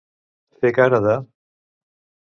Fer cara de.